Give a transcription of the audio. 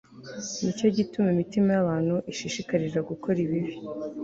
ni cyo gituma imitima y'abantu ishishikarira gukora ibibi